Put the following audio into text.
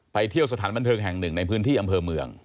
เที่ยวสถานบันเทิงแห่งหนึ่งในพื้นที่อำเภอเมือง